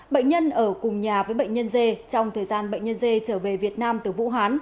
bệnh nhân ở cùng nhà với bệnh nhân dê trong thời gian bệnh nhân dê trở về việt nam từ vũ hán